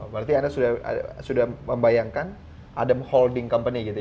berarti anda sudah membayangkan ada holding company gitu ya